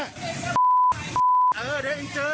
เออเดี๋ยวเองเจอเดี๋ยวเองเจอ